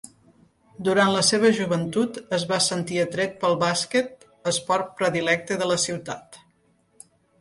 Durant la seva joventut es va sentir atret pel bàsquet, esport predilecte de la ciutat.